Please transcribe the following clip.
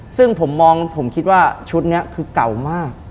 ซึ่งผมมองผมคิดว่าชุดนี้คือเก่ามาก